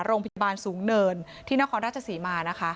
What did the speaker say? โรงพยาบาลสูงเนินที่นครราชศรีมานะคะ